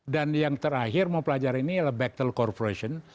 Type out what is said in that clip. dan yang terakhir mau pelajari ini adalah bechtel corporation